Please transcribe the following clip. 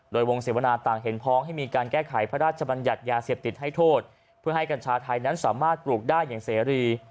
โดยวงเสวนาต่างเห็นพ้องให้มีการแก้ไขพระราชบัญญัติยาเสพติดให้โทษเพื่อให้กัญชาไทยนั้นสามารถปลูกได้อย่างเสรี